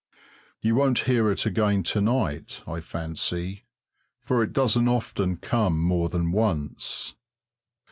You won't hear it again to night, I fancy, for it doesn't often come more than once.